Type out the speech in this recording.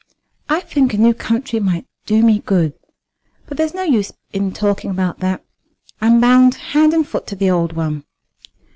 I think a new country might do me good. But there's no use in talking about that. I'm bound hand and foot to the old one."